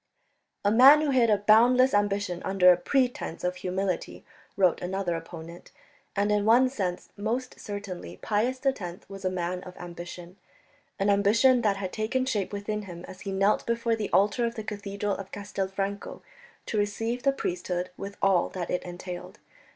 "A man who hid a boundless ambition under a pretence of humility," wrote another opponent. And in one sense most certainly Pius X was a man of ambition, an ambition that had taken shape within him as he knelt before the altar of the cathedral of Castelfranco to receive the priesthood with all that it entailed.